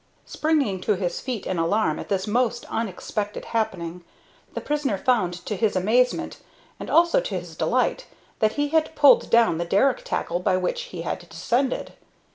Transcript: Springing to his feet in alarm at this most unexpected happening, the prisoner found to his amazement and also to his delight that he had pulled down the derrick tackle by which he had descended.